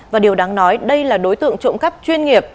và điều đáng nói đây là đối tượng trộm cắp chuyên nghiệp